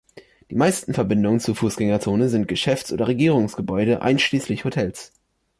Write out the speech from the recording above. Die meisten Verbindungen zur Fußgängerzone sind Geschäfts- oder Regierungsgebäude, einschließlich Hotels.